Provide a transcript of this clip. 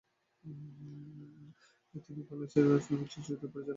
তিনি বাংলাদেশ ফিল্ম ইন্সটিটিউটের পরিচালক ও বাংলাদেশ শর্ট ফিল্ম ফোরামের প্রাক্তন প্রেসিডেন্ট।